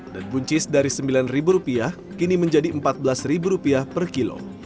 dan buncis dari sembilan ribu rupiah kini menjadi empat belas ribu rupiah per kilo